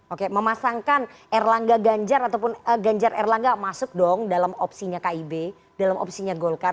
oke memasangkan erlangga ganjar ataupun ganjar erlangga masuk dong dalam opsinya kib dalam opsinya golkar